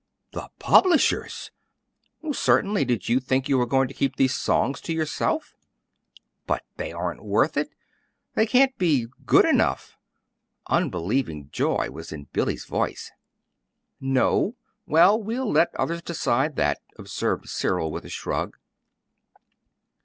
"The PUBLISHERS!" "Certainly. Did you think you were going to keep these songs to yourself?" "But they aren't worth it! They can't be good enough!" Unbelieving joy was in Billy's voice. "No? Well, we'll let others decide that," observed Cyril, with a shrug.